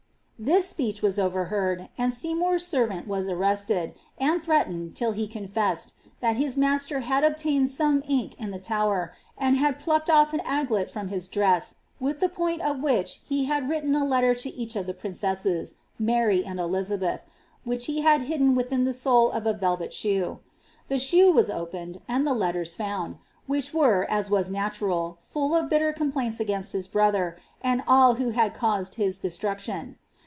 Thia apeech was overheard, and Seynionr's aerTant w« Miatm direalened, till hn confessed, '* that his master had obtained aooN i the Tower, and had placked off an aglet from bia drees, with Iks p«al of which he had wrilien a letter to esch of the princeasee, IImj mi Elizabeth, which he had hidden wiihio the sole ofa velvet eboai' "* shoe was opened^, and (he letters fonnd, which were, as was oaiHi a( bitter compkints against his brother, and all who had euued kiifr itrnetion.